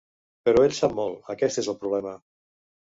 Però ell sap molt, aquest és el problema.